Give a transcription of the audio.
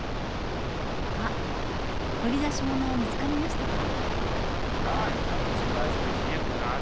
あっ掘り出し物は見つかりましたか？